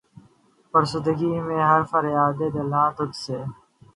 فسردگی میں ہے فریادِ بے دلاں تجھ سے